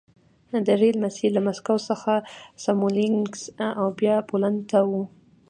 د ریل مسیر له مسکو څخه سمولینکس او بیا پولنډ ته و